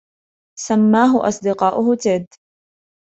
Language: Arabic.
سمّاه أصدقاؤه تِد.